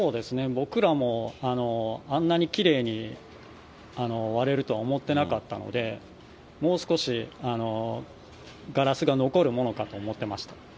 僕らもあんなにきれいに割れるとは思ってなかったので、もう少しガラスが残るものかと思っていました。